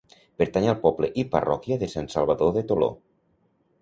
Pertany al poble i parròquia de Sant Salvador de Toló.